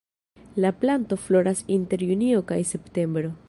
La planto floras inter junio kaj septembro.